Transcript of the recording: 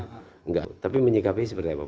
nggak ada tapi menyikapi seperti apa pak